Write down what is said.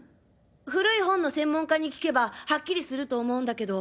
古い本の専門家に聞けばハッキリすると思うんだけど。